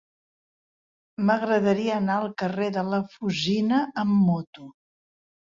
M'agradaria anar al carrer de la Fusina amb moto.